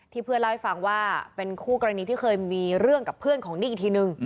เพื่อนเล่าให้ฟังว่าเป็นคู่กรณีที่เคยมีเรื่องกับเพื่อนของนิ่งอีกทีนึง